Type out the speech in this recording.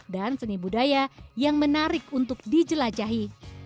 dan seni budaya yang menarik untuk dijelajahi